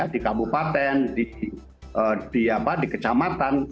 di kabupaten di kecamatan